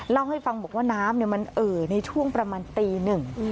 เล่าให้ฟังบอกว่าน้ำมันเอ่อในช่วงประมาณตีหนึ่ง